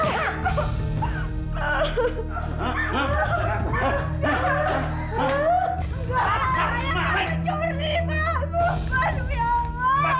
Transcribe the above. ayah aku mencuri perhiasanku